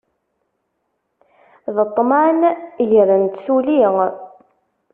D ṭṭman gren-tt tuli.